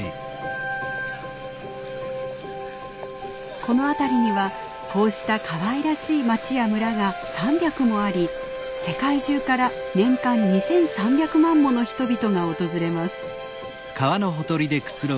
この辺りにはこうしたかわいらしい町や村が３００もあり世界中から年間２，３００万もの人々が訪れます。